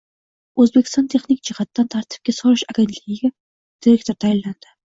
O‘zbekiston texnik jihatdan tartibga solish agentligiga direktor tayinlandi